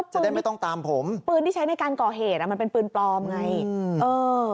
จะได้ไม่ต้องตามผมปืนที่ใช้ในการก่อเหตุอ่ะมันเป็นปืนปลอมไงอืมเออ